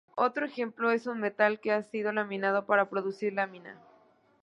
Otro ejemplo es un metal que ha sido laminado para producir una lámina.